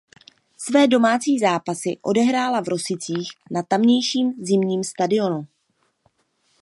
Své domácí zápasy odehrává v Rosicích na tamějším zimním stadionu.